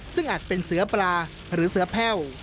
ซึ่งอาจเป็นเสือปลาหรือเสือแพ่ว